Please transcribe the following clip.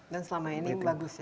dan selama ini bagus ya kerjasamanya